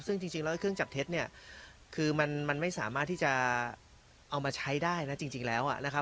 ซึ่งจริงแล้วเครื่องจับเท็จเนี่ยคือมันไม่สามารถที่จะเอามาใช้ได้นะจริงแล้วนะครับ